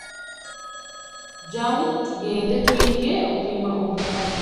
Jangu tugende tuyige okulima obumonde.